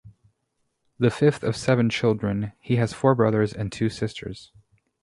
The fifth of seven children, he has four brothers and two sisters.